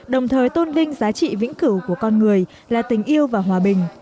đồng thời tôn vinh giá trị vĩnh cửu của con người là tình yêu và hòa bình